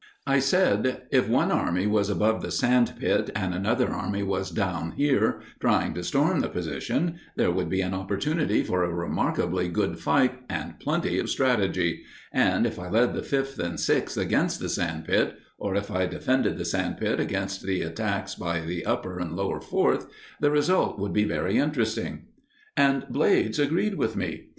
I said "If one army was above the sand pit, and another army was down here, trying to storm the position, there would be an opportunity for a remarkably good fight and plenty of strategy; and if I led the Fifth and Sixth against the sand pit, or if I defended the sand pit against attacks by the Upper and Lower Fourth, the result would be very interesting." And Blades agreed with me.